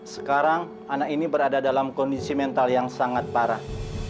sekarang anak ini berada dalam kondisi mental yang sangat parah